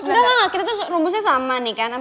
enggak enggak kita tuh rumusnya sama nih kan